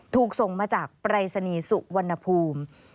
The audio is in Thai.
ถูกส่งมาจากปรายศนีย์สุวรรณภูมิ